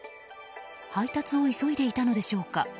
配達を急いでいたのでしょうか。